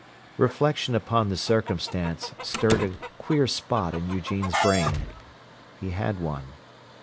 Reflection upon the circumstance stirred a queer spot in Eugene's brain—he had one.